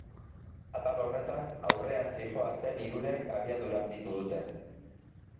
Atal horretan, aurrean zihoazen hirurek abiadura handitu dute.